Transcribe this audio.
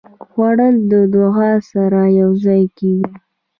خوړل د دعا سره یوځای کېږي